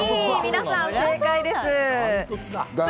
皆さん、正解です。